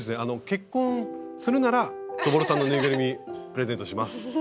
「結婚するならそぼろさんのぬいぐるみプレゼントします」。